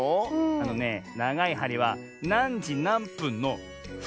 あのねながいはりはなんじなんぷんの「ふん」のぶぶんだね。